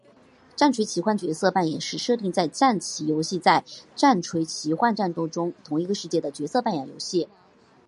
战锤奇幻角色扮演是设定在战棋游戏战锤奇幻战斗同一个世界的角色扮演游戏。